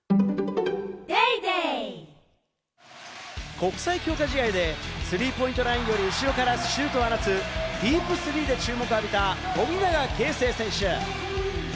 国際強化試合でスリーポイントラインより後ろからシュートを放つディープスリーで注目をあびた富永啓生選手。